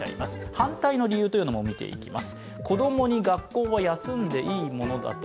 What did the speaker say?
反対の理由も見ていきます。